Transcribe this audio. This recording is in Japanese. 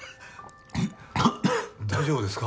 大丈夫ですか？